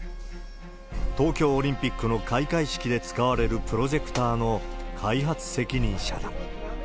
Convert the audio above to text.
東京オリンピックの開会式で使われるプロジェクターの開発責任者だ。